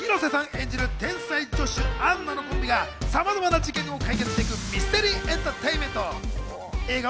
演じる天才助手・アンナのコンビが、さまざまな事件を解決していくミステリーエンターテインメント。